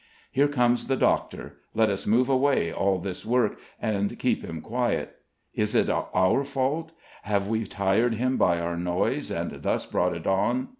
Here comes the doctor; let us move away all this work, and keep him quiet. Is it our fault? Have we tired him by our noise, and thus brought it on?